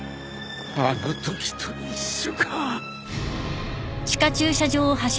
あのときと一緒か。